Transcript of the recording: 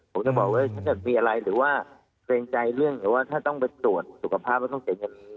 ผมจะบอกว่าถ้าเกิดมีอะไรหรือว่าเกรงใจเรื่องหรือว่าถ้าต้องไปตรวจสุขภาพว่าต้องเป็นอย่างนี้